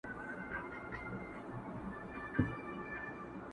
له وړو او له لویانو لاري ورکي.!